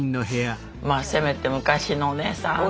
まあせめて「昔のおねえさん」とか。